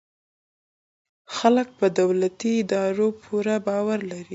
خلک په دولتي ادارو پوره باور لري.